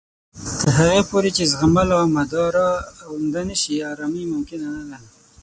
تر هغه پورې چې زغمل او مدارا عمده نه شي، ارامۍ ممکنه نه ده